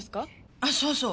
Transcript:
あっそうそう。